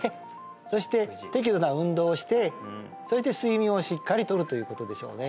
そして適度な運動をしてそして睡眠をしっかりとるということでしょうね